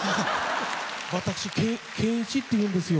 私、憲一っていうんですよ。